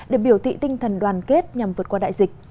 để biểu thị tinh thần đoàn kết nhằm vượt qua đại dịch